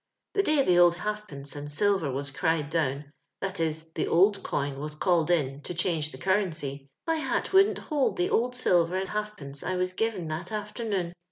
The day the old halijponce and silver was cried down, that is, the old coin was called in to change the currency, my hat wouldn't hold the old silver and half pence I was give that afternoon.